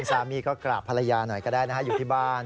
สามีก็กราบภรรยาหน่อยก็ได้นะฮะอยู่ที่บ้าน